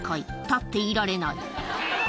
立っていられない。